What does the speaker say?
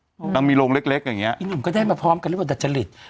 อืมนางมีโรงเล็กเล็กอย่างเงี้ยอีหนุ่มก็ได้มาพร้อมกันเรียกว่าดัจจริต